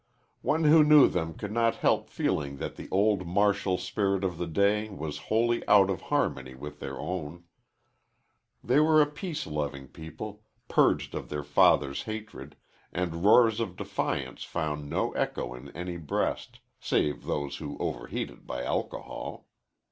One who knew them could not help feeling that the old martial spirit of the day was wholly out of harmony with their own. They were a peace loving people, purged of their fathers' hatred, and roars of defiance found no echo in any breast save those overheated by alcohol.